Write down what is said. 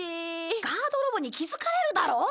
ガードロボに気づかれるだろ？